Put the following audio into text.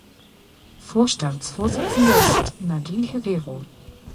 Vorstandsvorsitzende ist Nadine Herrero.